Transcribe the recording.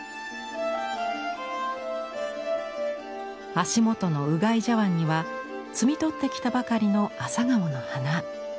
足元のうがい茶わんには摘み取ってきたばかりの朝顔の花。